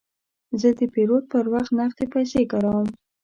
زه د پیرود پر وخت نغدې پیسې کاروم.